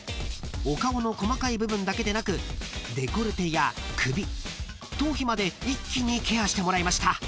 ［お顔の細かい部分だけでなくデコルテや首頭皮まで一気にケアしてもらいました］